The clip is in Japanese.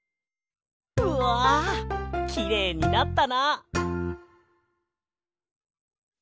うわきれいになったな！